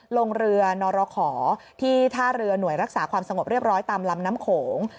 ลงเรือนรขอที่ท่าเรือหน่วยรักษาความสงบเรียบร้อยตามลำน้ำโขง